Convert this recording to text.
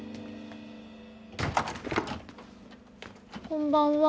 こんばんは。